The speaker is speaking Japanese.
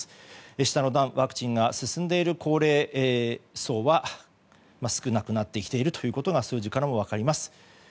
下の段ワクチンが進んでいる高齢層は少なくなってきていることが数字からも分かります。